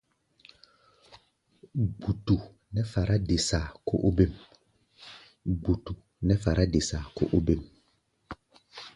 Gbutu nɛ́ fará-de-saa kó óbêm.